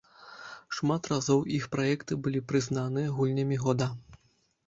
Шмат разоў іх праекты былі прызнаныя гульнямі года.